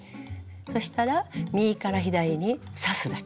そしたら右から左に刺すだけ。